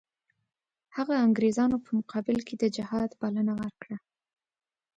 هغه انګریزانو په مقابل کې د جهاد بلنه ورکړه.